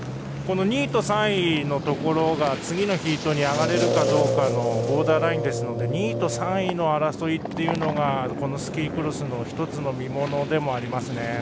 ２位と３位のところが次のヒートに上がれるかどうかのボーダーラインですので２位、３位の争いがこのスキークロスの１つの見ものでもありますね。